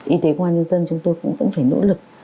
y tế công an nhân dân chúng tôi cũng vẫn phải nỗ lực